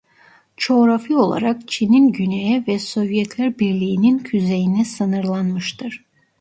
Coğrafi olarak Çin'in güneye ve Sovyetler Birliği'nin kuzeyine sınırlanmıştır.